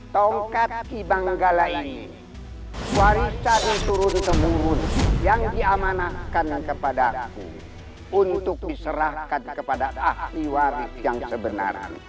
tongkat ki manggala ini waris saya turun kemurunan yang diamanakan kepada aku untuk diserahkan kepada ahli waris yang sebenarnya